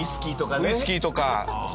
ウイスキーとかね。